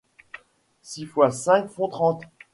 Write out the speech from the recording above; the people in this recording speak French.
Six fois cinq font trente.